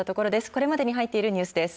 これまでに入っているニュースです。